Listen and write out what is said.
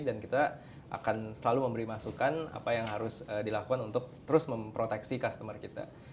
dan kita akan selalu memberi masukan apa yang harus dilakukan untuk terus memproteksi customer kita